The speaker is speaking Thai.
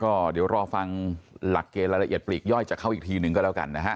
ก็เดี๋ยวรอฟังหลักเกณฑ์รายละเอียดปลีกย่อยจากเขาอีกทีหนึ่งก็แล้วกันนะฮะ